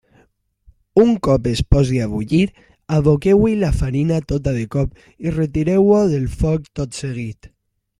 Un cop es posi a bullir, aboqueu-hi la farina tota de cop i retireu-ho del foc tot seguit.